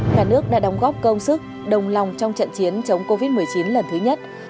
cả nước đã đóng góp công sức đồng lòng trong trận chiến chống covid một mươi chín lần thứ nhất